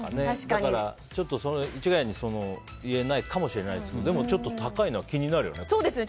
だから、一概に言えないかもしれないですけどでも、ちょっと高いのは気になるよね。